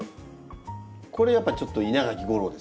これやっぱちょっと稲垣吾郎ですね。